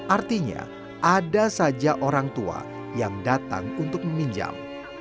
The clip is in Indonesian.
artinya ada saja orang tua yang datang untuk meminjam